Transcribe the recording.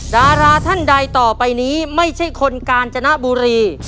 ดาราท่านใดต่อไปนี้ไม่ใช่คนกาญจนบุรี